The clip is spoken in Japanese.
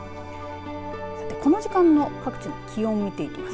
さてこの時間の各地の気温を見ていきます。